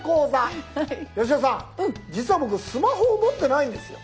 八代さん実は僕スマホを持ってないんですよ。